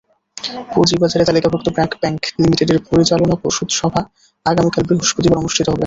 পুঁজিবাজারে তালিকাভুক্ত ব্র্যাক ব্যাংক লিমিটেডের পরিচালনা পর্ষদ সভা আগামীকাল বৃহস্পতিবার অনুষ্ঠিত হবে।